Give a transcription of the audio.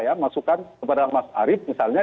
ya masukan kepada mas arief misalnya